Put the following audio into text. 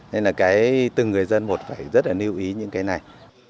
nên là cái từng người dân một phải rất là lưu ý những cái này